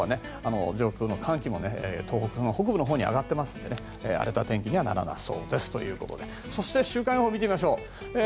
上空の寒気も東北の北部のほうに上がっていますので荒れた天気にはならなさそうですということで週間予報を見てみましょう。